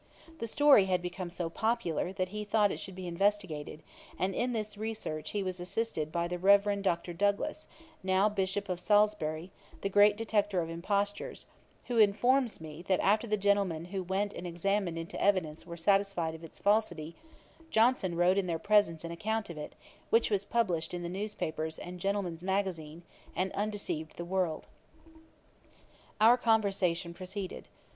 The story had become so popular, that he thought it should be investigated; and in this research he was assisted by the Reverend Dr. Douglas, now Bishop of Salisbury, the great detector of impostures; who informs me, that after the gentlemen who went and examined into the evidence were satisfied of its falsity, Johnson wrote in their presence an account of it, which was published in the newspapers and Gentleman's Magazine, and undeceived the world. [Page 408: Subordination. A.D. 1763.] Our conversation proceeded.